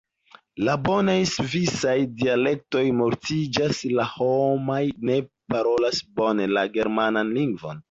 La bonaj svisaj dialektoj mortiĝas, la homoj ne parolas bone la germanan lingvon.